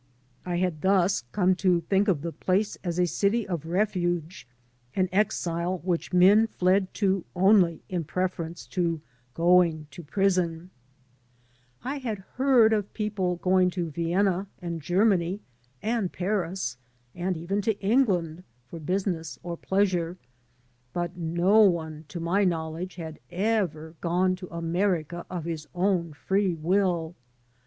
I had thus come to think of the place as a city of refuge, an exile which men fled to only in preference to going to prison. 9 AN AMERICAN IN THE MAKING I had heard of people goiiig to Vienna and Germany and Paris, and even to England for business or pleasure, but no one, to my knowledge, had ever gone to Anraica of his own free will.